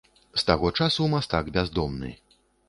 З таго часу мастак бяздомны.